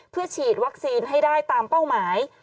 เพื่อฉีดวัคซีนให้ได้ตามเป้าหมาย